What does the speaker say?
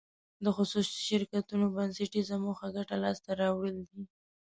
د خصوصي شرکتونو بنسټیزه موخه ګټه لاس ته راوړل دي.